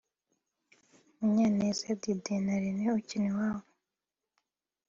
Munyaneza Didier na Rene Ukiniwabo